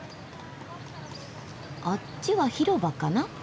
あっちは広場かな？